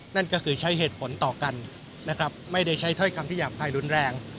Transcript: นั่นก็คือใช้เหตุผลต่อกันนะครับไม่ได้ใช้ถ้อยคำที่หยาบคายรุนแรง